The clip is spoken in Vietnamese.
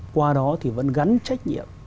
qua đó thì vẫn gắn trách nhiệm